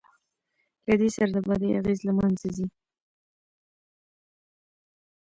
له دې سره د بدۍ اغېز له منځه ځي.